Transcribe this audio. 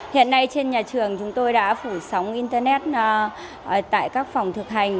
hiện nay trên nhà trường chúng tôi đã phủ sóng internet tại các phòng thực hành